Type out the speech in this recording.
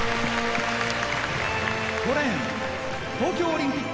５レーン東京オリンピック